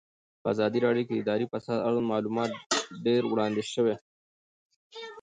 په ازادي راډیو کې د اداري فساد اړوند معلومات ډېر وړاندې شوي.